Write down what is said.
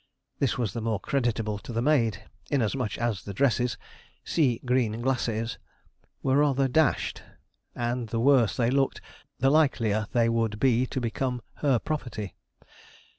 This was the more creditable to the maid, inasmuch as the dresses sea green glacés were rather dashed; and the worse they looked, the likelier they would be to become her property.